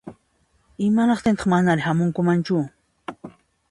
Imanaqtintaq manari hamunmanchu?